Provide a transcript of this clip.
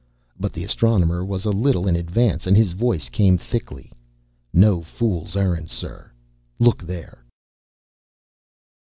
But the Astronomer was a little in advance and his voice came thickly. "No fool's errand, sir. Look there."